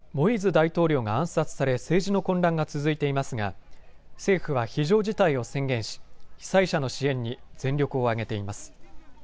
ハイチでは先月、モイーズ大統領が暗殺され政治の混乱が続いていますが政府は非常事態を宣言し被災者の支援に全力を挙げています。